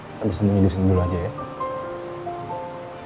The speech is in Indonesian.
kita bisa nunggu disini dulu aja ya